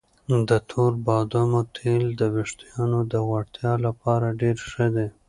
د تور بادامو تېل د ویښتانو د روغتیا لپاره ډېر ښه دي.